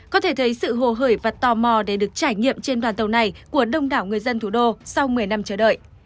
có thể thấy sự hồ hởi và tò mò để được trải nghiệm trên đoàn tàu này của đông đảo người dân thủ đô sau một mươi năm chờ đợi